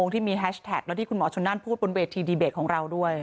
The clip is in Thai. ที่มีแฮชแท็กแล้วที่คุณหมอชนนั่นพูดบนเวทีดีเบตของเราด้วย